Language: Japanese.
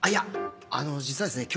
あの実はですね